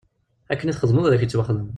Akken i txedmeḍ ad ak-ittwaxdem.